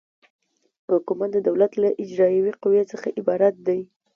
حکومت د دولت له اجرایوي قوې څخه عبارت دی.